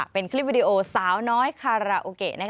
เป็นคลิปวิดีโอสาวน้อยคาราโอเกะ